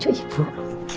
kira kira begitu dok